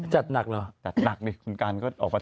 จัดหนักเหรอ